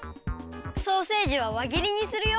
ソーセージはわぎりにするよ。